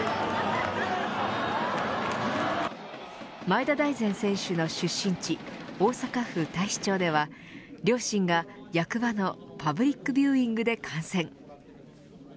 前田大然選手の出身地大阪府太子町では両親が役場のパブリックビューイングで観戦。